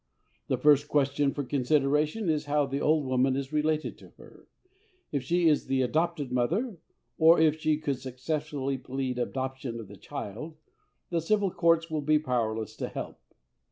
"The first question for consideration is how the old woman is related to her. If she is the adopted mother, or if she could successfully plead adoption of the child, the Civil Courts will be powerless to help.